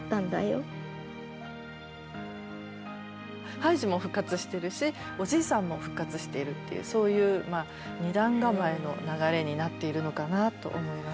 ハイジも復活してるしおじいさんも復活しているというそういうまあ二段構えの流れになっているのかなと思います。